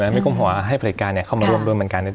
ไม่ก้มหัวให้ผลิตการเข้ามาร่วมด้วยเหมือนกัน